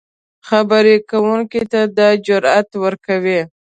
خبرې کوونکي ته دا جرات ورکوي